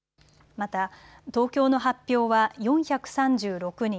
また、東京の発表は４３６人。